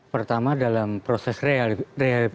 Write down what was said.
pertama dalam proses rehabilitasi